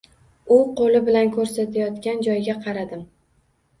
U qoʻli bilan koʻrsatayotgan joyga qaradim.